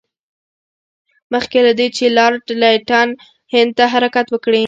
مخکې له دې چې لارډ لیټن هند ته حرکت وکړي.